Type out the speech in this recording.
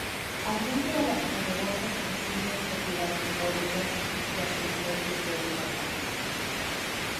Alude a las poderosas presuntas propiedades tónicas y astringentes de esta planta.